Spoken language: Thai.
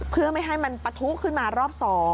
เพื่อไม่ให้มันปะทุขึ้นมารอบ๒